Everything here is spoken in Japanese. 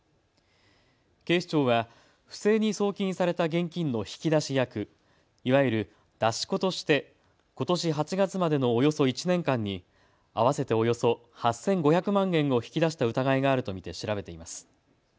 警視庁は不正に送金された現金の引き出し役、いわゆる出し子としてことし８月までのおよそ１年間に合わせておよそ８５００万円を引き出した疑いがあると見て調べています。